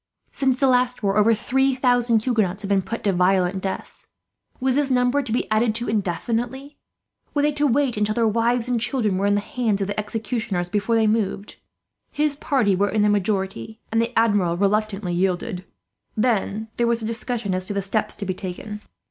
Since the last war over three thousand Huguenots had been put to violent deaths. Was this number to be added to indefinitely? Were they to wait until their wives and children were in the hands of the executioners, before they moved? His party were in the majority, and the Admiral reluctantly yielded. "Then there was a discussion as to the steps to be taken.